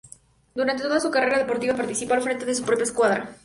Durante toda su carrera deportiva participó al frente de su propia escuadra.